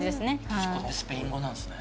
メキシコってスペイン語なんですね。